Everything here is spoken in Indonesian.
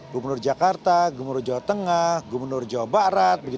gubernur jakarta gubernur jawa tengah gubernur jawa barat